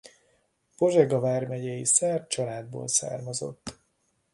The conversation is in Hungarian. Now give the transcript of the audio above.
Pozsega vármegyei szerb családból származott.